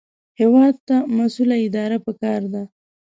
هېواد ته مسؤله اداره پکار ده